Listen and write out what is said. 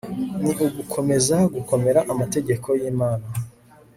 ni ugukomeza kugomera amategeko yImana